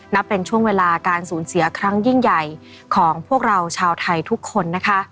นับเป็นช่วงเวลาการสูญเสียครั้งยิ่งใหญ่ของพวกเราชาวไทยทุกคนนะคะ